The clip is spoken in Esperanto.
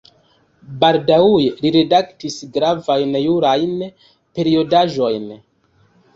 Baldaŭe li redaktis gravajn jurajn periodaĵojn.